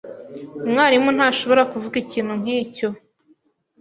Umwarimu ntashobora kuvuga ikintu nkicyo.